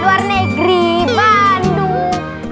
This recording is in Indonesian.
luar negeri bandung